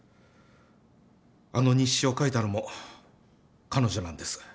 あの日誌を書いたのも彼女なんです。